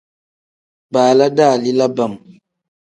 Baala dalila bam.